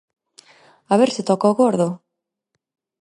A ver se toca o Gordo!